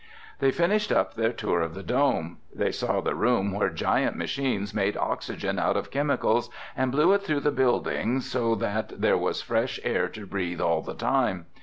They finished up their tour of the dome. They saw the room where giant machines made oxygen out of chemicals and blew it through the building so that there was fresh air to breathe all the time.